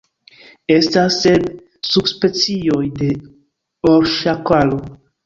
Estas sep subspecioj de orŝakalo.